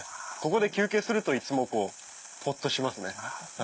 ここで休憩するといつもほっとしますね。